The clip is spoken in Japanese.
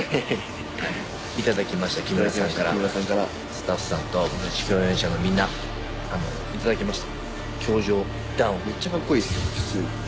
スタッフさんと共演者のみんな頂きました。